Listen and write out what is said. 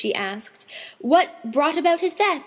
She asked, "What brought about his death?"